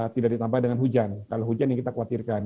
tidak ditambah dengan hujan kalau hujan yang kita khawatirkan